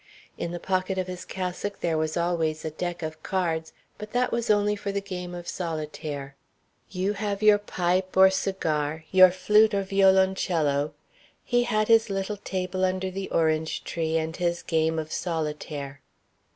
In the pocket of his cassock there was always a deck of cards, but that was only for the game of solitaire. You have your pipe or cigar, your flute or violoncello; he had his little table under the orange tree and his game of solitaire.